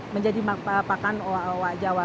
menjadi pakan owa owa jawa